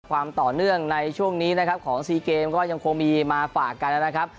ความต่อเนื่องในช่วงนี้นะครับของซีเกมก็ยังคงมีมาฝากกันนะครับ